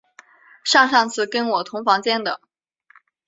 上上次跟我同房间的